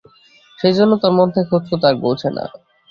সেইজন্যেই তোর মন থেকে খুঁতখুঁত আর ঘোচে না।